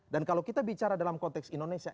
dan kalau kita bicara dalam konteks indonesia